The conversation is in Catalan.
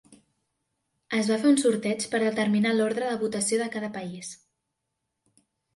Es va fer un sorteig per determinar l'ordre de votació de cada país.